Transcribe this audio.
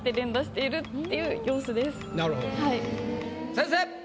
先生！